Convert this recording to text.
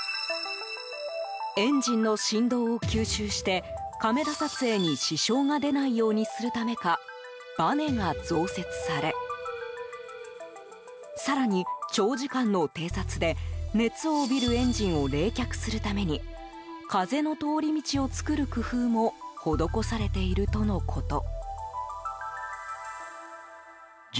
エンジンの振動を吸収してカメラ撮影に支障が出ないようにするためかばねが増設され更に、長時間の偵察で熱を帯びるエンジンを冷却するために風の通り道を作る工夫も施されているとのこと。